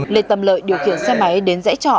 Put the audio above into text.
lê tâm lợi điều khiển xe máy đến dãy trọ